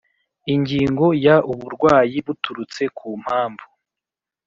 Ingingo ya Uburwayi buturutse ku mpamvu